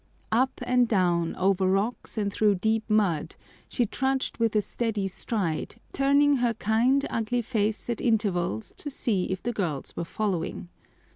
Up and down, over rocks and through deep mud, she trudged with a steady stride, turning her kind, ugly face at intervals to see if the girls were following.